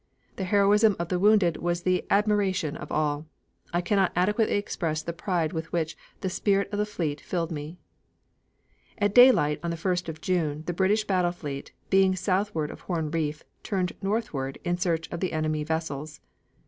The heroism of the wounded was the 'admiration' of all. I cannot adequately express the pride with which the spirit of the fleet filled me." At daylight on the 1st of June the British battle fleet, being southward of Horn Reef, turned northward in search of the enemy vessels.